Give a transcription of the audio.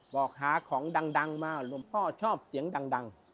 บอกหาของดังมาหลวงพ่อชอบเสียงดัง